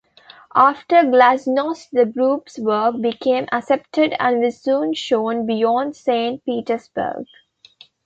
After Glasnost the group's work became accepted and was soon shown beyond Saint Petersburg.